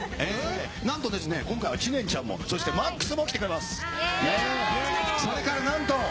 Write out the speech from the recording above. なんとですね、今回は知念ちゃんも、そしてＭＡＸも来てくれます。